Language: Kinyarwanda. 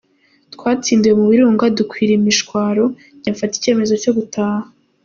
"Twatsindiwe mu Birunga dukwira imishwaro, njye mfata icyemezo cyo gutaha".